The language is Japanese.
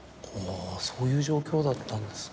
そういう状況だったんですか。